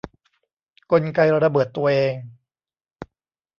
กลไกระเบิดตัวเอง